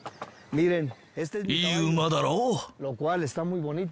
いい馬だろ！